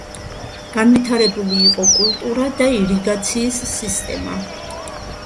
განვითარებული იყო კულტურა და ირიგაციის სისტემა.